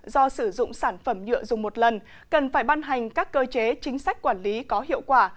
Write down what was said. do sử dụng sản phẩm nhựa dùng một lần cần phải ban hành các cơ chế chính sách quản lý có hiệu quả